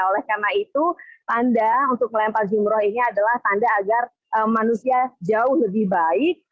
oleh karena itu tanda untuk melempar jumroh ini adalah tanda agar manusia jauh lebih baik